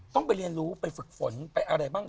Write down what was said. ต้องไปเรียนรู้ไปฝึกฝนไปอะไรบ้าง